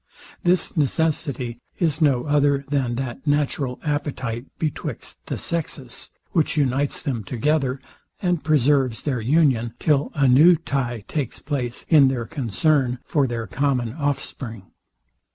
This necessity is no other than that natural appetite betwixt the sexes, which unites them together, and preserves their union, till a new tye takes place in their concern for their common offspring.